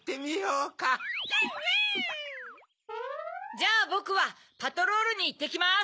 じゃあボクはパトロールにいってきます。